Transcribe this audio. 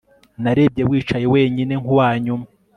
narebye wicaye wenyine, nkuwanyuma